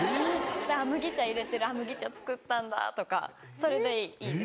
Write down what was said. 「麦茶入れてるあっ麦茶作ったんだ」とかそれでいいです。